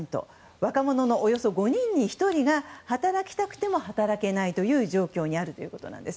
若者のおよそ５人に１人が働きたくても働けない状況にあるということなんです。